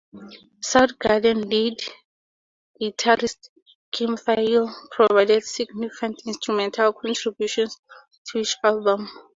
Soundgarden lead guitarist Kim Thayil provided significant instrumental contributions to each album.